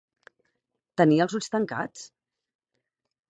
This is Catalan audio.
Tenia els ulls tancats?